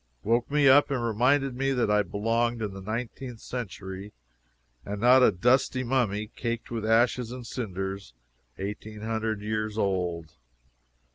woke me up and reminded me that I belonged in the nineteenth century, and was not a dusty mummy, caked with ashes and cinders, eighteen hundred years old.